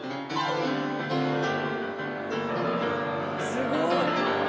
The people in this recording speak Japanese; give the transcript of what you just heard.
すごい！